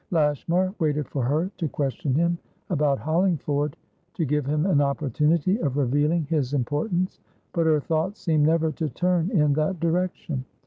Lashmar waited for her to question him about Hollingford, to give him an opportunity of revealing his importance; but her thoughts seemed never to turn in that direction.